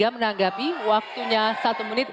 menanggapi waktunya satu menit